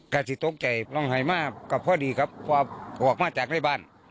กันที่ตกใจล่องหายมากกับพ่อดีครับพ่อออกมาจากในบ้าน